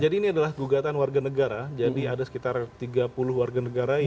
jadi ini adalah gugatan warga negara jadi ada sekitar tiga puluh warga negara yang